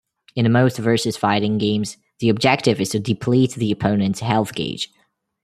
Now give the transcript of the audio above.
In most versus fighting games, the objective is to deplete the opponent's health gauge.